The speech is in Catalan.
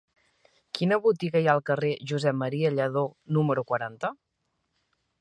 Quina botiga hi ha al carrer de Josep M. Lladó número quaranta?